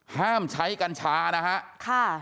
ห้ามใช้กัญชานะฮะ